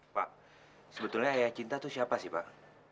pak sebetulnya ayah cinta itu siapa sih pak